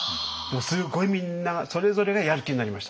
すごいみんなそれぞれがやる気になりました。